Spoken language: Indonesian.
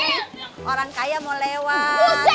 permisi orang kayak mau lewat